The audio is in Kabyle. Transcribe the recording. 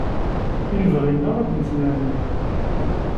I lebɣi-nneɣ ad nessnerni.